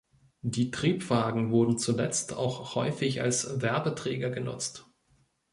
Die Triebwagen wurden zuletzt auch häufig als Werbeträger genutzt.